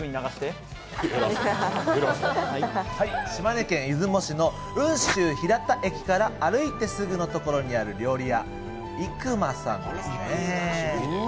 島根県出雲市の雲州平田駅から歩いてすぐのところにある料理屋以久満さんですね。